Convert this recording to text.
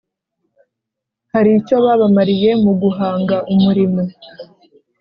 haricyo babamariye muguhanga umurimo